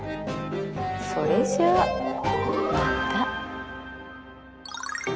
それじゃあまた。